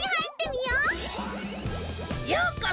ようこそ！